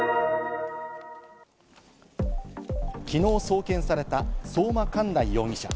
昨日送検された相馬寛大容疑者。